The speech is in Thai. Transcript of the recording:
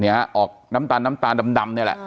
ออกน้ำตาลน้ำตาลดำนี่แหละ